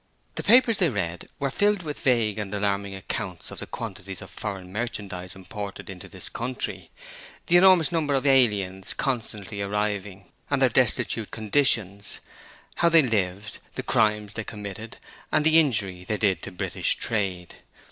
The papers they read were filled with vague and alarming accounts of the quantities of foreign merchandise imported into this country, the enormous number of aliens constantly arriving, and their destitute conditions, how they lived, the crimes they committed, and the injury they did to British trade.